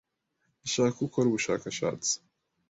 Ndashaka ko ukora ubushakashatsi.